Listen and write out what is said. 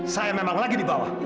saya memang lagi di bawah